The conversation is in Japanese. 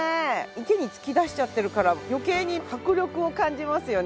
池に突き出しちゃってるから余計に迫力を感じますよね。